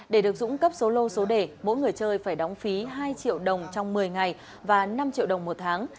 để được dũng cấp số lô số đề mỗi người chơi phải đóng phí hai triệu đồng trong một mươi ngày và năm triệu đồng một tháng